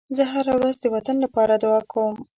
زه هره ورځ د وطن لپاره دعا کوم.